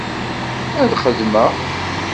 Ad xedmeɣ.